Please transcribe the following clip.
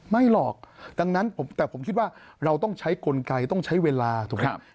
ไม่หรอกดังนั้นแต่ผมคิดว่าเราต้องใช้กลไกต้องใช้เวลาถูกไหมครับ